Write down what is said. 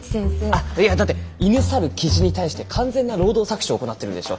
あっいやだって犬猿キジに対して完全な労働搾取を行ってるでしょ。